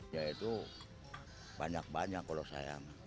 ya itu banyak banyak kalau saya